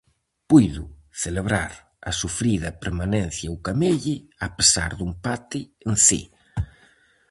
Puido celebrar a sufrida permanencia o Camelle a pesar do empate en Cee.